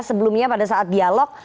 sebelumnya pada saat dialog